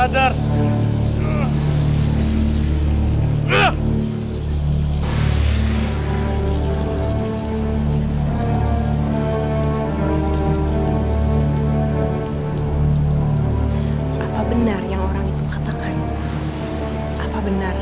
dan aku harap